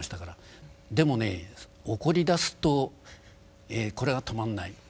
でもね怒りだすとこれが止まんない。